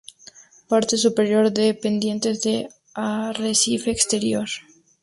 Parte superior de pendientes de arrecife exterior.